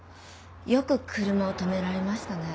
よく車を止められましたね？